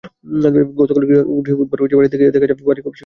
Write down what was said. গতকাল গৃহবধূর বাড়িতে গিয়ে দেখা যায়, বাড়ির কলাপসিবল গেট, কাঠের দরজা ভাঙা।